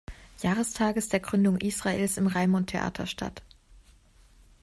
Jahrestages der Gründung Israels im Raimundtheater statt.